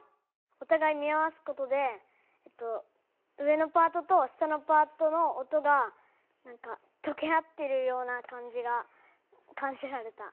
おたがい見合わすことで上のパートと下のパートの音がとけ合っているようなかんじがかんじられた。